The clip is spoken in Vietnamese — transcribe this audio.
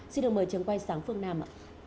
xin được mời trường quay sang phương nam